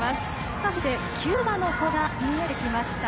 そして、キューバの国旗が見えてきました。